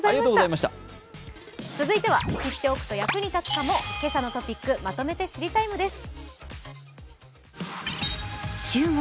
続いては知っておくと役に立つかも「けさのトピックまとめて知りＴＩＭＥ，」です。